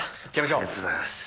ありがとうございます。